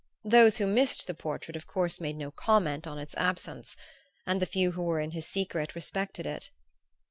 Those who missed the portrait of course made no comment on its absence, and the few who were in his secret respected it.